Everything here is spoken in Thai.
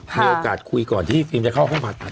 มีโอกาสคุยก่อนที่ฟิล์มจะเข้าห้องผ่าตัด